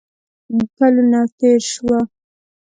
کلونه تیر شوه